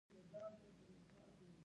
اندامونه مې پرې غوړ شانتې کړل